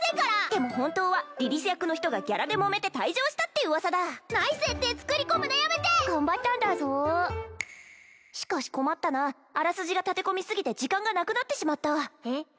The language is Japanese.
でも本当はリリス役の人がギャラでもめて退場したって噂だない設定作り込むのやめて！頑張ったんだぞしかし困ったなあらすじが立て込みすぎて時間がなくなってしまったえっ？